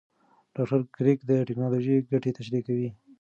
ډاکټر کریګ د ټېکنالوژۍ ګټې تشریح کوي.